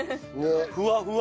ふわふわ。